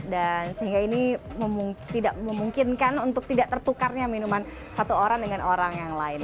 dan sehingga ini memungkinkan untuk tidak tertukarnya minuman satu orang dengan orang yang lain